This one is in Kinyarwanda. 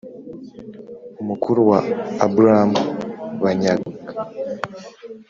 umukuru wa Aburamu banyaga